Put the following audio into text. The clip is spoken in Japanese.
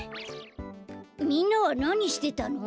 みんなはなにしてたの？